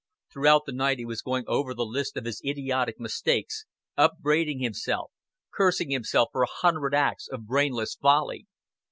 Throughout the night he was going over the list of his idiotic mistakes, upbraiding himself, cursing himself for a hundred acts of brainless folly.